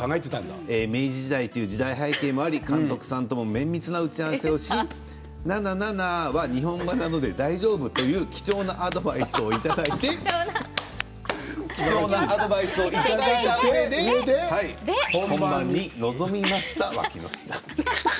明治時代という時代背景もあり監督さんとも綿密な打ち合わせをしななななは日本語なので大丈夫という貴重なアドバイスをいただいて本番に臨みました、脇の下。